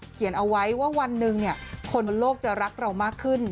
เขียนเอาไว้ว่าวันหนึ่งคนบนโลกจะรักเรามากขึ้น